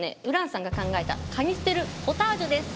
ＵｒａＮさんが考えたカニステルポタージュです。